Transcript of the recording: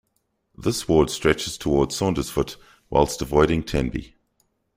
This ward stretches towards Saundersfoot whilst avoiding Tenby.